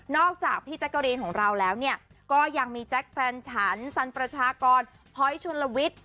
นอกจากพี่แจ็คเกอร์เรนของเราแล้วก็ยังมีแจ็คแฟนฉันสันประชากรพอยชลวิท